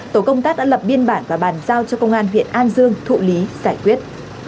tổ công tác đã lập biên bản và bàn giao cho công an huyện an dương thụ lý giải quyết